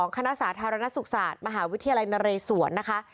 คณะสาธารณสุขศาสตร์มหาวิทยาลัยนเรศวรนะคะ